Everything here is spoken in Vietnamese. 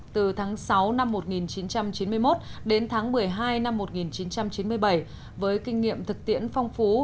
từ tháng sáu năm một nghìn chín trăm chín mươi một đến tháng một mươi hai năm một nghìn chín trăm chín mươi bảy với kinh nghiệm thực tiễn phong phú